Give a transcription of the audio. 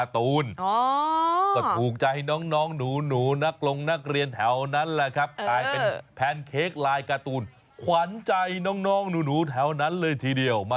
ตอนแรกนึกว่านดาราค่อยมาในโรงเรียน